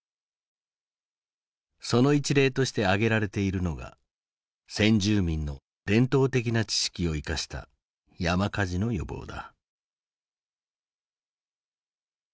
その一例として挙げられているのが先住民の伝統的な知識を生かした山火事の予防だ。